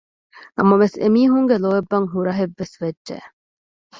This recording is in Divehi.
ނަމަވެސް އެމީހުންގެ ލޯތްބަށް ހުރަހެއްވެސް ވެއްޖެ